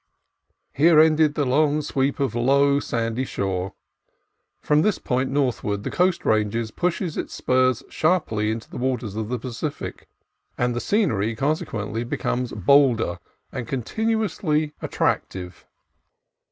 Here ended the long sweep of low, sandy shore. From this point northward the Coast Range pushes its spurs sharply into the waters of the Pacific, and the scenery con sequently becomes bolder and continuously attrac tive.